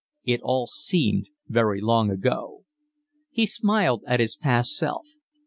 It all seemed very long ago. He smiled at his past self.